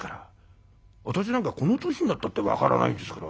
私なんかこの年になったって分からないんですから。